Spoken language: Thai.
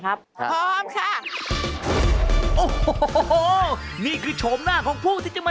แค่๓กิโลกว่าเองครับ